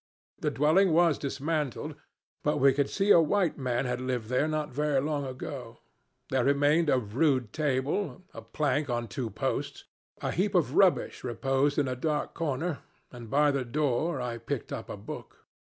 The dwelling was dismantled; but we could see a white man had lived there not very long ago. There remained a rude table a plank on two posts; a heap of rubbish reposed in a dark corner, and by the door I picked up a book.